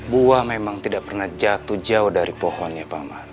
buah memang tidak pernah jatuh jauh dari pohonnya paman